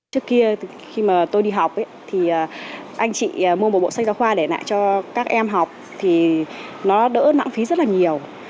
trước kia khi mà tôi đi học thì anh chị mua một bộ sách giáo khoa để lại cho các em học thì nó đỡ nặng phí rất là nhiều